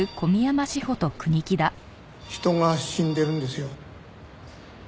人が死んでるんですよ。